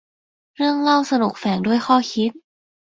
เรื่องเล่าสนุกแฝงด้วยข้อคิด